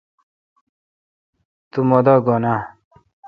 تو مہ دا گھن آ؟